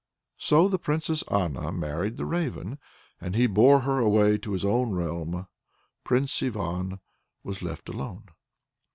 So the Princess Anna married the Raven, and he bore her away to his own realm. Prince Ivan was left alone.